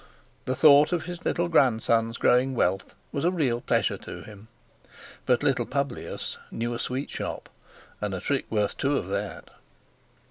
The thought of his little grandson's growing wealth was a real pleasure to him. But little Publius knew a sweet shop, and a trick worth two of that.